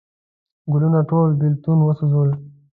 ګلونه ټول بیلتون وسوزل